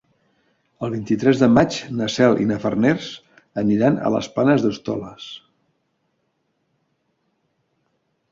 El vint-i-tres de maig na Cel i na Farners aniran a les Planes d'Hostoles.